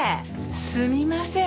すみません。